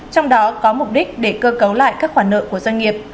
trong đó có mục đích để cơ cấu lại các khoản nợ của doanh nghiệp